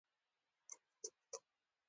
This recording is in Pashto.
ښاغلی هولمز هغه مړ دی هغه اوس ژوندی ندی